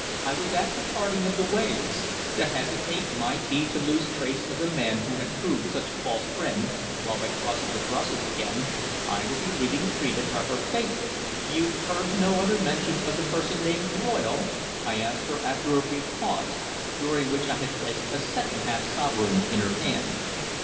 I was at the parting of the ways. To hesitate might be to lose trace of the man who had proved such a false friend, while, by crossing to Brussels again, I would be leaving Phrida to her fate. "You heard no other mention of the person named Royle?" I asked her after a brief pause, during which I placed a second half sovereign in her hand.